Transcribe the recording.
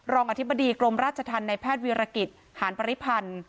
อธิบดีกรมราชธรรมในแพทย์วิรกิจหารปริพันธ์